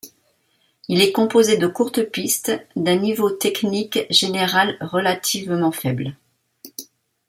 Il est composé de courtes pistes, d'un niveau technique général relativement faible.